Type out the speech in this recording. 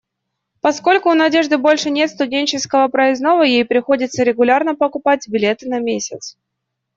Поскольку у Надежды больше нет студенческого проездного, ей приходится регулярно покупать билеты на месяц.